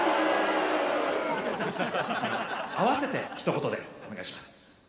あの合わせてひと言でお願いします。